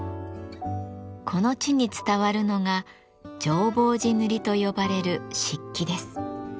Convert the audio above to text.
この地に伝わるのが浄法寺塗と呼ばれる漆器です。